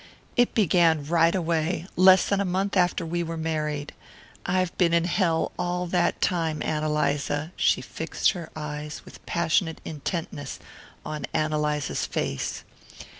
"It began right away, less than a month after we were married. I've been in hell all that time, Ann Eliza." She fixed her eyes with passionate intentness on Ann Eliza's face.